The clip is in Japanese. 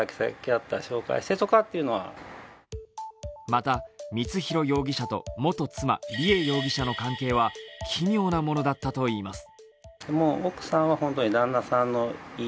また、光弘容疑者と元妻・梨恵容疑者の関係は奇妙なものだったといいます。